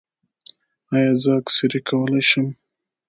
ایا زه اکسرې کولی شم؟